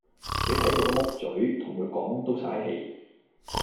你睇佢個木嘴，同佢講都曬氣